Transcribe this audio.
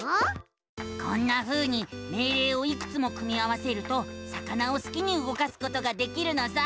こんなふうに命令をいくつも組み合わせると魚をすきに動かすことができるのさ！